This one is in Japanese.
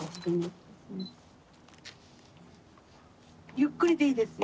ゆっくりでいいですよ。